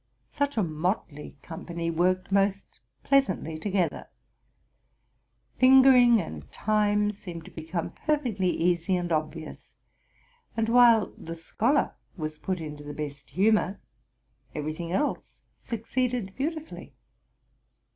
Such a motley company worked most pleasantly together. Fingering and time seemed to become perfectly easy and obvious; and, while the scholar was put into the best humor, every thing else succeeded beautifully.